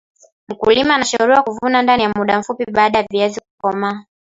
mkulima anshauriwa kuvuna ndani ya mda mfupi baada ya viazi kukomaa